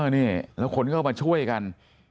นี่แล้วคนก็มาช่วยกัน